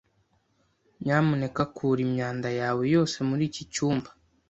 Nyamuneka kura imyanda yawe yose muri iki cyumba.